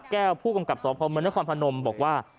แก้วผู้กำกับสอบพภาวะเมืองนักความพนมบอกว่า